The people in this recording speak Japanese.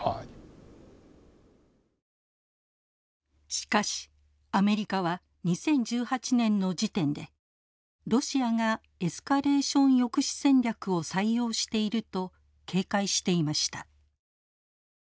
しかしアメリカは２０１８年の時点でロシアがエスカレーション抑止戦略を採用していると警戒していました。